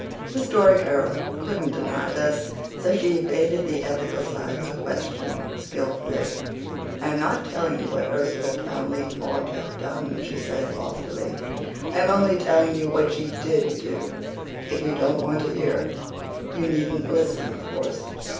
The Story Girl couldn't deny this, so she evaded the ethical side of the question skilfully. "I am not telling you what Ursula Townley ought to have done," she said loftily. "I am only telling you what she DID do. If you don't want to hear it you needn't listen, of course.